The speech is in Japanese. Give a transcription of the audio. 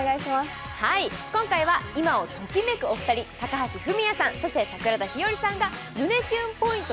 今回は今をときめくお二人、高橋文哉さん、そして桜田ひよりさんが胸キュンポイント